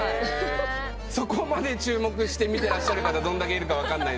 そこまで注目して見てらっしゃる方どんだけいるか分かんないですけど。